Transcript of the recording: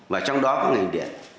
và trong đó có ngành điện